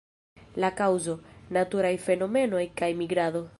La kaŭzo: naturaj fenomenoj kaj migrado.